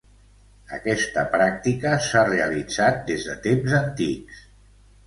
Aquesta pràctica s'ha realitzat des de temps antics.